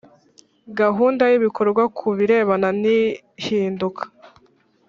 Gahunda y ibikorwa ku birebana n ihinduka